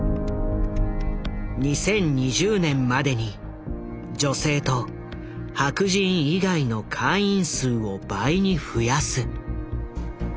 「２０２０年までに女性と白人以外の会員数を倍に増やす」。